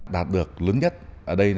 đạt được lớn nhất ở đây là đá lưng